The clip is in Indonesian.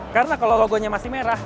karena kalau logonya masih merah